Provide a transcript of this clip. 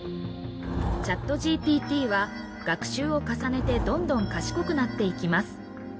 ＣｈａｔＧＰＴは学習を重ねてどんどん賢くなっていきます。